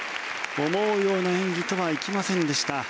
思うような演技とは行きませんでした。